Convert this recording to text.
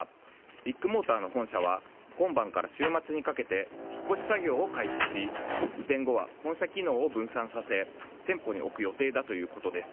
ビッグモーターの本社は今晩から週末にかけて引っ越し作業を開始し移転後は本社機能を分散させ店舗に置く予定だということです。